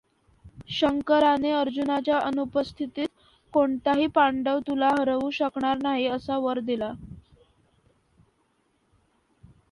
शंकराने अर्जुनाच्या अनुपस्थितीत कोणताही पांडव तुला हरवू शकणार नाही असा वर दिला.